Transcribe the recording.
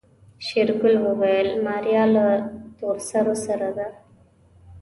شېرګل وويل ماريا له تورسرو سره ده.